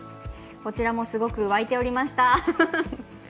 こちらもすごく沸いておりました。